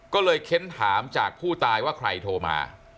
ก็เลยเค้นถามจากผู้ตายว่าใครโทรมา